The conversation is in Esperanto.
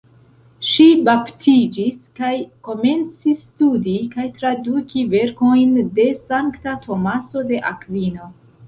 Ŝi baptiĝis kaj komencis studi kaj traduki verkojn de sankta Tomaso de Akvino.